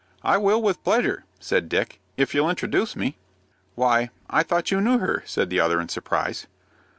"I will, with pleasure," said Dick, "if you'll introduce me." "Why, I thought you knew her," said the other, in surprise.